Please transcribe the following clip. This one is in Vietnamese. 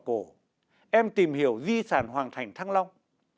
với chương trình em làm nhà khảo cổ em tìm hiểu di sản hoàng thành thăng long